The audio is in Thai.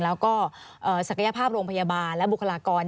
แล้วก็ศักยภาพโรงพยาบาลและบุคลากร